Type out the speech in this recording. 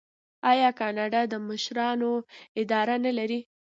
آیا کاناډا د مشرانو اداره نلري؟